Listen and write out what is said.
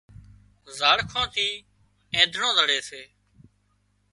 زاڙکان ٿي اينڌڻان زڙي سي